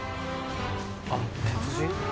あっ鉄人？